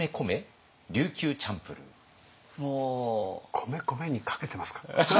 「米」「こめ」にかけてますか？